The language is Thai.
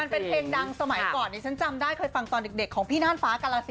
เป็นเพลงดังสมัยก่อนดิฉันจำได้เคยฟังตอนเด็กของพี่น่านฟ้ากาลสิน